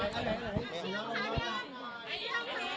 เธอ